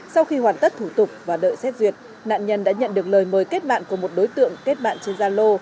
sau khi hoàn tất thủ tục và đợi xét duyệt nạn nhân đã nhận được lời mời kết bạn của một đối tượng kết bạn trên gia lô